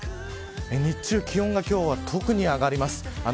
日中気温が特に今日は上がります。